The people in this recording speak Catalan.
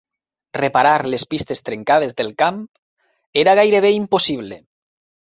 Reparar les pistes trencades del camp era gairebé impossible.